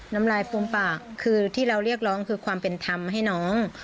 น้ำลายฟูมปากคือที่เราเรียกร้องคือความเป็นธรรมให้น้อง